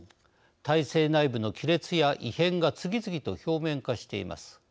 体制内部の亀裂や異変が次々と表面化しています。